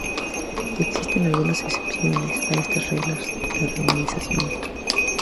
Existen algunas excepciones a estas reglas de romanización.